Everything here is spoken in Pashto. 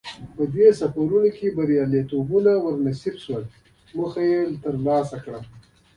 په دې سفرونو کې بریالیتوبونه ور په نصیب شول او موخې یې ترلاسه کړې.